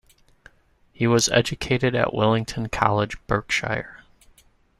He was educated at Wellington College, Berkshire.